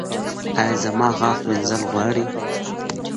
ایا زما غاښ مینځل غواړي؟